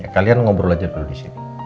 kalian ngobrol aja dulu disini